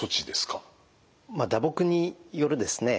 打撲によるですね